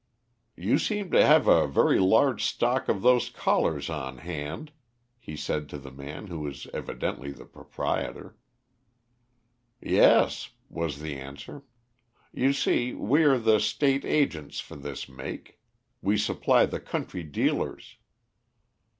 "You seem to have a very large stock of those collars on hand," he said to the man who was evidently the proprietor. "Yes," was the answer. "You see, we are the State agents for this make. We supply the country dealers."